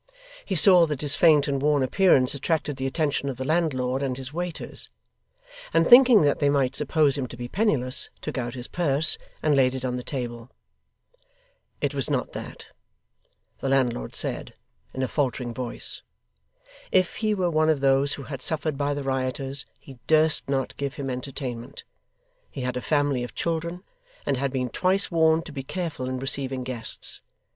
He saw that his faint and worn appearance attracted the attention of the landlord and his waiters; and thinking that they might suppose him to be penniless, took out his purse, and laid it on the table. It was not that, the landlord said, in a faltering voice. If he were one of those who had suffered by the rioters, he durst not give him entertainment. He had a family of children, and had been twice warned to be careful in receiving guests.